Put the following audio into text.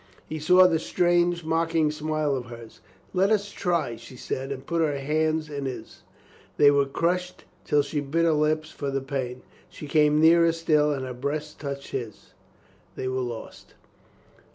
He saw that strange, mocking smile of hers. "Let us try," she said and put her hands in his. They were crushed till she bit her lips for the pain. She came nearer still, and her breast touched his ... They were lost